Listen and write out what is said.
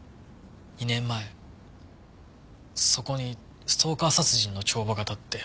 ２年前そこにストーカー殺人の帳場が立って。